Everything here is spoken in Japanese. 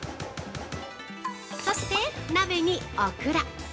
◆そして鍋にオクラ。